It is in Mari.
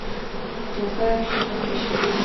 Тулгайык Чолга кече лийын.